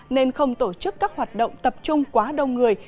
nên không tổ chức các hoạt động tập trung quá đông người